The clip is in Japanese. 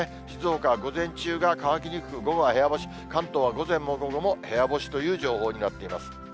静岡は午前中が乾きにくく、午後は部屋干し、関東は午前も午後も部屋干しという情報になっています。